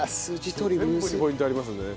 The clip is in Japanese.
全部にポイントありますんでね。